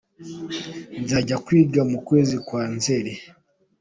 nzajya kwiga mukwezi kwa nzeri